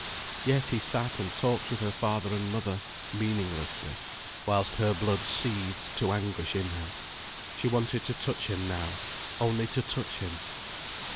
Yet he sat and talked with her father and mother, meaninglessly, whilst her blood seethed to anguish in her. She wanted to touch him now, only to touch him.